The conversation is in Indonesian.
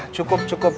masuk dulu bib